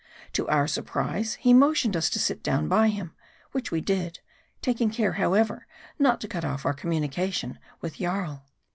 To our surprise, he motioned us to sit down by him ; which we did ; taking care, however, not to cut off our communication with Jarl.